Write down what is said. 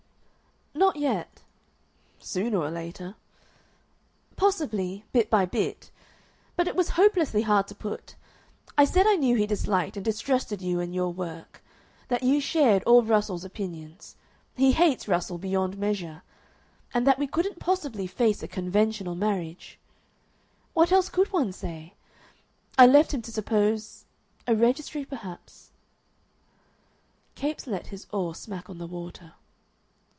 "Not yet." "Sooner or later." "Possibly bit by bit.... But it was hopelessly hard to put. I said I knew he disliked and distrusted you and your work that you shared all Russell's opinions: he hates Russell beyond measure and that we couldn't possibly face a conventional marriage. What else could one say? I left him to suppose a registry perhaps...." Capes let his oar smack on the water.